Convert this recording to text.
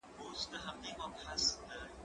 زه مېوې خوړلې ده